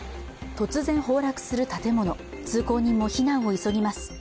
突然崩落する建物通行人も避難を急ぎます。